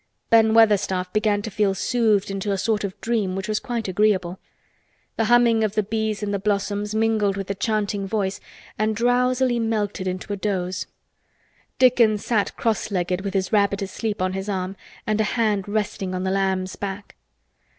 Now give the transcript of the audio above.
Ben Weatherstaff began to feel soothed into a sort of dream which was quite agreeable. The humming of the bees in the blossoms mingled with the chanting voice and drowsily melted into a doze. Dickon sat cross legged with his rabbit asleep on his arm and a hand resting on the lamb's back.